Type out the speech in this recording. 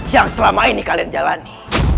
yang selama ini kalian jalani